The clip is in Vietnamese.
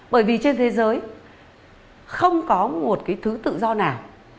bởi vì trên thế giới không có một cái thứ tự do nào